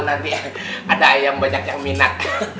nanti ada ayam banyak yang minat